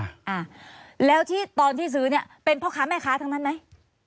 อ่าแล้วที่ตอนที่ซื้อเนี้ยเป็นพ่อค้าแม่ค้าทั้งนั้นไหม